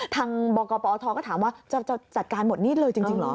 ทางบกปอทก็ถามว่าจะจัดการหมดหนี้เลยจริงเหรอ